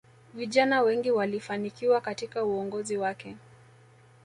viijana wengi walifanikiwa katika uongozi wake